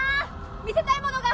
見せたいものが！